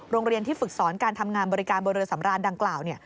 เรียนที่ฝึกสอนการทำงานบริการบนเรือสำรานดังกล่าว